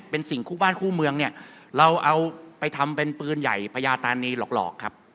เป็นสิ่งคู่บ้านคู่เมืองเนี่ยเราเอาไปทำเป็นปืนใหญ่พญาตานีหลอกครับ